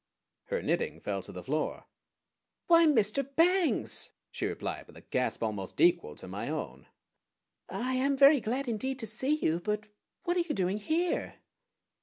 Her knitting fell to the floor. "Why Mr. Bangs!" she replied, with a gasp almost equal to my own. "I am very glad indeed to see you; but what are you doing here?"